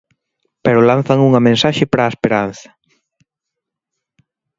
Pero lanzan unha mensaxe para a esperanza.